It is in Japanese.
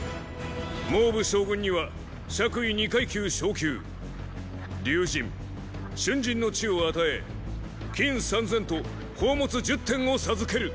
蒙武将軍には爵位二階級昇級竜尽・春尽の地を与え金三千と宝物十点を授ける！